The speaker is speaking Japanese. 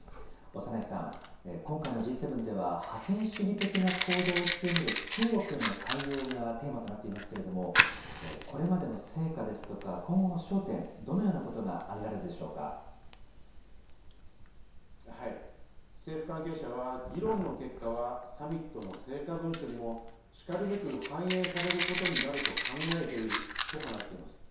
長内さん、今回のＧ７では、覇権主義的な行動を強める中国への対応がテーマとなっていますけれども、これまでの成果ですとか、今後の焦点、どのようなことが挙政府関係者は、議論の結果はサミットの成果文書にもしかるべく反映されることになると考えていると話しています。